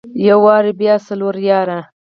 يو واري بيا څلور ياره.